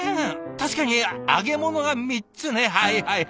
確かに揚げ物が３つねはいはいはい。